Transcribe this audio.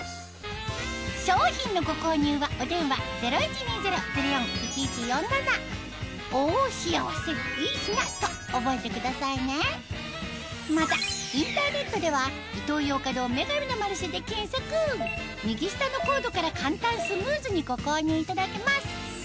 商品のご購入はお電話０１２０−０４−１１４７と覚えてくださいねまたインターネットでは右下のコードから簡単スムーズにご購入いただけます